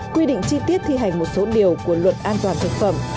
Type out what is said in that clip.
quy định chi tiết thi hành một số điều của luật an toàn thực phẩm